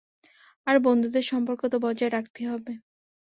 আর বন্ধুদের সম্পর্ক তো বজায় রাখতেই হবে।